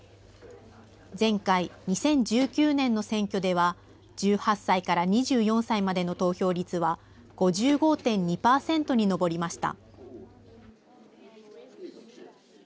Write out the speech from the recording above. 前回・２０１９年の選挙では、１８歳から２４歳までの投票率は５５．２％に上りました。